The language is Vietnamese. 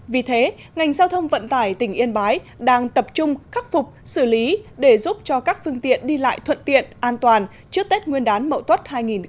vì thế ngành giao thông vận tải tỉnh yên bái đang tập trung khắc phục xử lý để giúp cho các phương tiện đi lại thuận tiện an toàn trước tết nguyên đán mậu tuất hai nghìn hai mươi